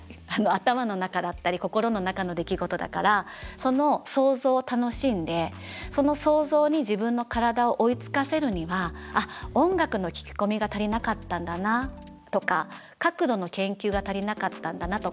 頭の中だったり心の中の出来事だからその想像を楽しんでその想像に自分の体を追いつかせるには音楽の聴き込みが足りなかったんだなとか角度の研究が足りなかったんだなとか。